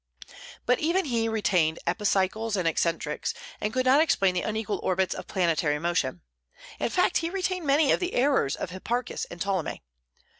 But even he retained epicycles and excentrics, and could not explain the unequal orbits of planetary motion. In fact he retained many of the errors of Hipparchus and Ptolemy.